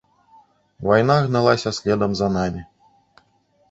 Вайна гналася следам за намі.